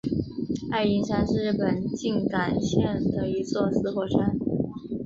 爱鹰山是日本静冈县的一座死火山。